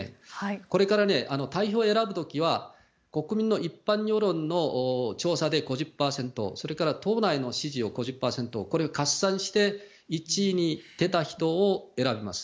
これから代表を選ぶ時は国民の一般世論の調査で５０％それから党内の支持を５０％これを合算して１位になった人を選びます。